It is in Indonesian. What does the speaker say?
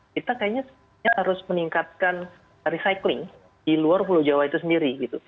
kita kayaknya harus meningkatkan recycling di luar pulau jawa itu sendiri